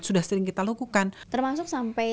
sudah sering kita lakukan termasuk sampai